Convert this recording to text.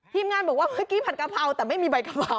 งานบอกว่าเมื่อกี้ผัดกะเพราแต่ไม่มีใบกะเพรา